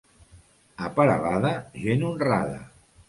A Peralada, gent honrada.